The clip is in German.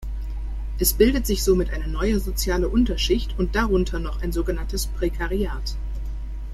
Es bildet sich somit eine neue soziale Unterschicht und darunter noch ein sogenanntes Prekariat.